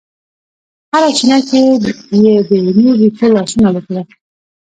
هره چینه کې یې د نور رېښو لاسونه وکړه